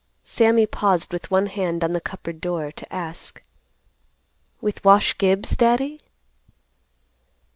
Sammy paused with one hand on the cupboard door to ask, "With Wash Gibbs, Daddy?"